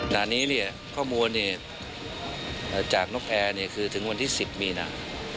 นานี้ข้อมูลจากนกแอร์คือถึงวันที่๑๐มีนา